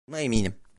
Buna eminim.